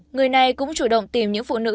người này cũng chủ động tìm những phụ nữ